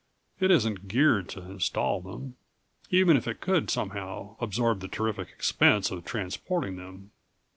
It isn't geared to install them, even if it could somehow absorb the terrific expense of transporting them.